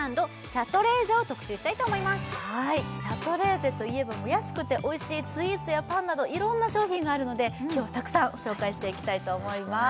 シャトレーゼといえば安くておいしいスイーツやパンなどいろんな商品があるので今日はたくさん紹介していきたいと思います